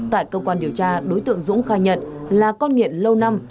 tại cơ quan điều tra đối tượng dũng khai nhận là con nghiện lâu năm